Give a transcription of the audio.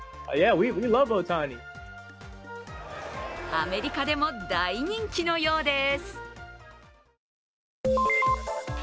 アメリカでも大人気のようです。